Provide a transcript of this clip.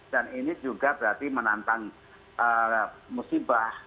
dan ini juga berarti menantang musibah